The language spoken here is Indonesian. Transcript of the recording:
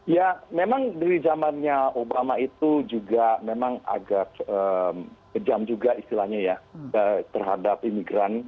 ya memang dari zamannya obama itu juga memang agak kejam juga istilahnya ya terhadap imigran